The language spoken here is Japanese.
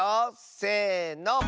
せの！